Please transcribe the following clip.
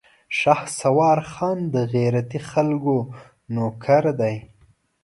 شهسوار خان د غيرتي خلکو نوکر دی.